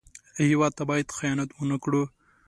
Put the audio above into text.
هېواد ته باید خیانت ونه کړو